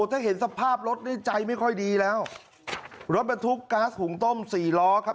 ถ้าเห็นสภาพรถนี่ใจไม่ค่อยดีแล้วรถบรรทุกก๊าซหุงต้มสี่ล้อครับ